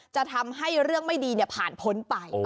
จะทำให้เรื่องไม่ดีผ่านพ้นไป